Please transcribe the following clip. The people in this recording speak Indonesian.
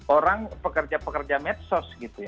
orang pekerja pekerja medsos gitu ya